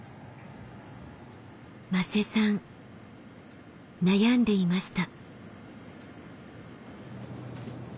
馬瀬さん悩んでいました。